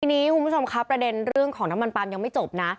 ทีนี้คุณผู้ชมครับประเด็นเรื่องของน้ำมันปลามยังไม่จบนะ